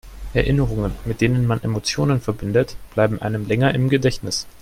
Erinnerungen, mit denen man Emotionen verbindet, bleiben einem länger im Gedächtnis.